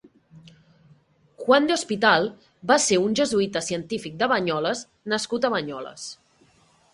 Juan de Hospital va ser un jesuïta científic de Banyoles nascut a Banyoles.